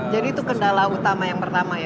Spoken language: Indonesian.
jadi itu kendala utama yang pertama ya